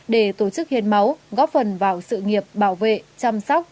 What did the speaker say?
để tổ chức hiến máu góp phần vào sự nghiệp bảo vệ chăm sóc